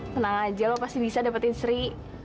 tenang aja lo pasti bisa dapetin sri